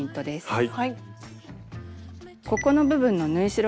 はい。